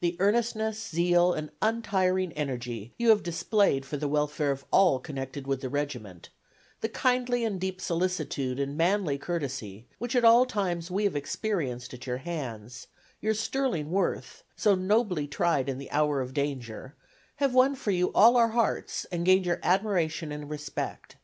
The earnestness, zeal and untiring energy you have displayed for the welfare of all connected with the regiment, the kindly and deep solicitude and manly courtesy which at all times we have experienced at your hands, your sterling worth, so nobly tried in the hour of danger have won for you all our hearts and gained your admiration and respect.